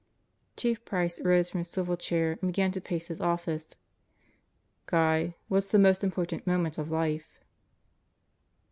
Chief Price rose from his swivel chair and began to pace his office. "Guy, what's the most important moment of life?"